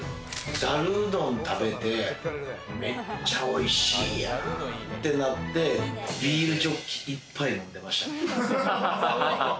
ざるうどん食べて、めっちゃおいしいやん！ってなって、ビールジョッキ、いっぱい飲んでました。